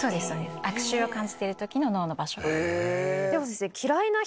悪臭を感じてる時の脳の場所。